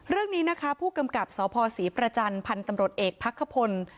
เรื่องนี้นะคะผู้กำกับสพศรีประจันทร์พันธ์ตำรวจเอกพักขพล